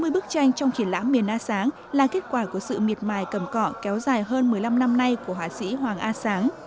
sáu mươi bức tranh trong triển lãm miền a sáng là kết quả của sự miệt mài cầm cọ kéo dài hơn một mươi năm năm nay của họa sĩ hoàng a sáng